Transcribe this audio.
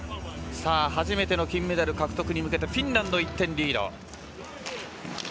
初めての金メダル獲得に向けてフィンランド１点リード。